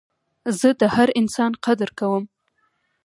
زه د هر انسان قدر کوم.